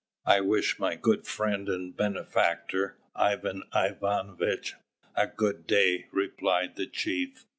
"I wish my good friend and benefactor, Ivan Ivanovitch, a good day," replied the chief.